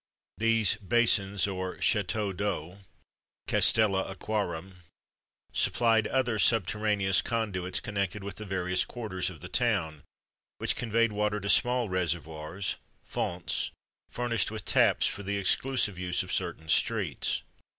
These basins or châteaux d'eau castella Aquarum supplied other subterraneous conduits connected with the various quarters of the town,[XXV 19] which conveyed water to small reservoirs fontes furnished with taps, for the exclusive use of certain streets.